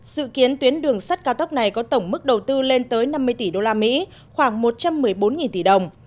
dự kiến tuyến đường sắt cao tốc này có tổng mức đầu tư lên tới năm mươi tỷ usd khoảng một trăm một mươi bốn tỷ đồng